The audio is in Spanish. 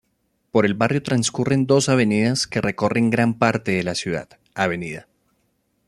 Por el barrio transcurren dos avenidas que recorren gran parte de la ciudad, Avda.